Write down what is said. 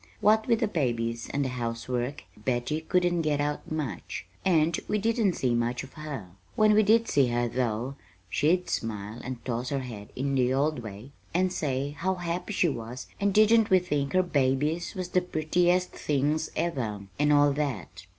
What with the babies and the housework, Betty couldn't get out much, and we didn't see much of her. When we did see her, though, she'd smile and toss her head in the old way and say how happy she was and didn't we think her babies was the prettiest things ever, and all that.